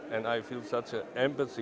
dan saya merasa sebuah empati